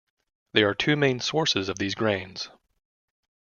There are two main sources of these grains.